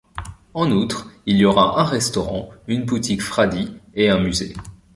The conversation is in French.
En outre, il y aura un restaurant, une boutique Fradi, et un musée.